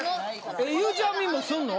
えゆうちゃみもすんの？